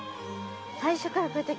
最初からこうやって。